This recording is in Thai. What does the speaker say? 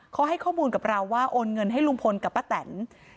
เขาให้ข้อมูลกับเราว่าโอนเงินให้ลุงพลกับป้าแตน